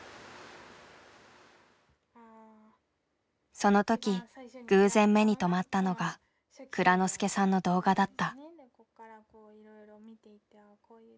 その時偶然目に留まったのが蔵之介さんの動画だった。